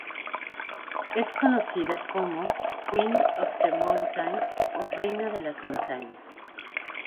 Es conocida como "Queen of the Mountains" o Reina de las Montañas.